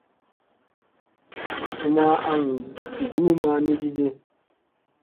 Su ma aŋ ngulumma ni kige.